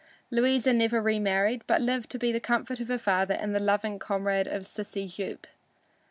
Louisa never remarried, but lived to be the comfort of her father and the loving comrade of Sissy Jupe.